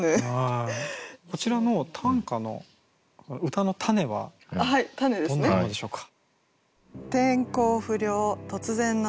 こちらの短歌の歌のたねはどんなものでしょうか？